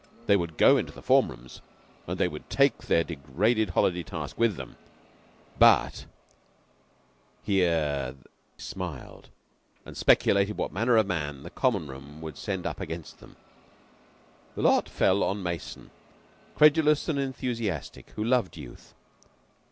They would go into the form rooms, and they would take their degraded holiday task with them, but here they smiled and speculated what manner of man the Common room would send up against them. The lot fell on Mason, credulous and enthusiastic, who loved youth.